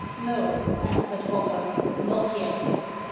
'No,' answered Ogger, 'not yet.'